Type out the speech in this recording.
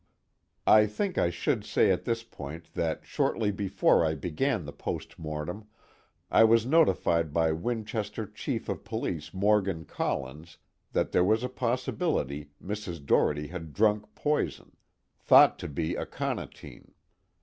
I think I should say at this point that shortly before I began the post mortem, I was notified by Winchester Chief of Police Morgan Collins that there was a possibility Mrs. Doherty had drunk poison, thought to be aconitine.